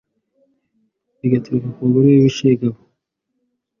bigaturuka ku bagore bibishegabo